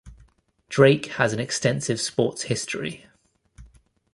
Drake has an extensive sports history.